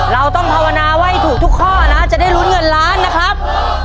เราต้องภาวนาว่าให้ถูกทุกข้อนะจะได้ลุ้นเงินล้านนะครับ